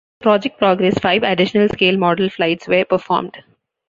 As the project progressed, five additional scale-model flights were performed.